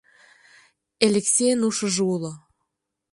Элексейын ушыжо уло.